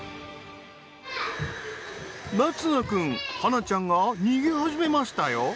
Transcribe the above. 凪維君芭那ちゃんが逃げ始めましたよ。